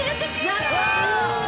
やった！